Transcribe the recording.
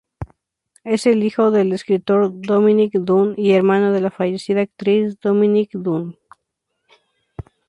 Es hijo del escritor Dominick Dunne y hermano de la fallecida actriz Dominique Dunne.